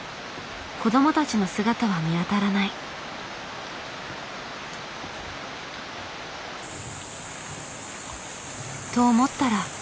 子どもたちの姿は見当たらない。と思ったら。